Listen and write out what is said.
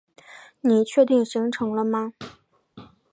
你确定行程了吗？